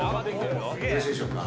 よろしいでしょうか？